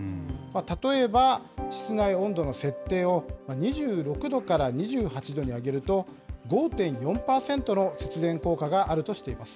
例えば、室内温度の設定を２６度から２８度に上げると、５．４％の節電効果があるとしています。